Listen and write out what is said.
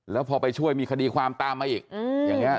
แล้วพอไปช่วยมีคดีความตามมาอีกอย่างนี้